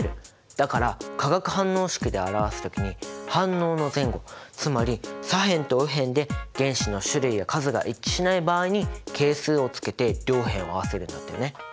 だから化学反応式で表す時に反応の前後つまり左辺と右辺で原子の種類や数が一致しない場合に係数をつけて両辺を合わせるんだったよね。